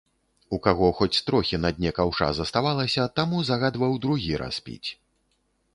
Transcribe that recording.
У каго хоць трохі на дне каўша заставалася, таму загадваў другі раз піць.